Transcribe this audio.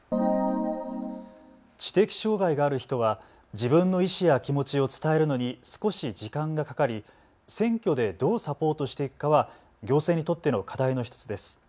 知的障害がある人は自分の意思や気持ちを伝えるのに少し時間がかかり選挙でどうサポートしていくかは行政にとっての課題の１つです。